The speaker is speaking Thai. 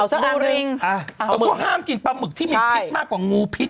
เอาสักอันด้วยอ่ามึกก็ห้ามกินปลาหมึกที่มีพิษมากกว่างงูพิษ